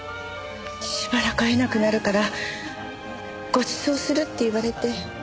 しばらく会えなくなるからご馳走するって言われて。